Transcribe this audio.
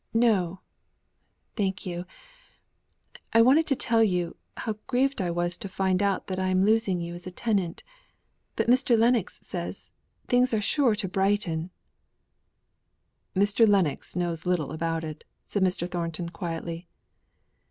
"No, thank you. I wanted to tell you, how grieved I was to find that I am to lose you as a tenant. But, Mr. Lennox says, things are sure to brighten" "Mr. Lennox knows little about it," said Mr. Thornton quietly.